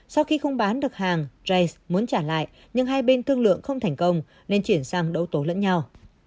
sau khi không bán được hàng jas muốn trả lại nhưng hai bên thương lượng không thành công nên chuyển sang đấu tố lẫn nhau